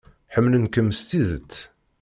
Ḥemmlen-kem s tidet.